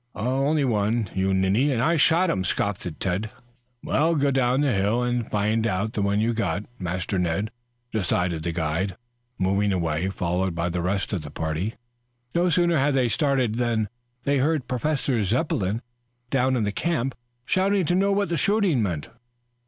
"Only one, you ninny. And I shot him," scoffed Ned. "We'll go down the hill and find the one you got, Master Ned," decided the guide, moving away, followed by the rest of the party. No sooner had they started than they heard Professor Zepplin, down in the camp, shouting to know what the shooting meant.